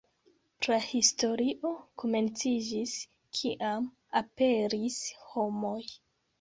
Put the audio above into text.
Prahistorio komenciĝis, kiam "aperis" homoj.